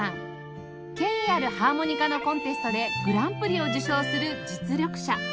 権威あるハーモニカのコンテストでグランプリを受賞する実力者